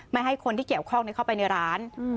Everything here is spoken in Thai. ไม่ให้คนที่เกี่ยวข้องเข้าไปในร้าน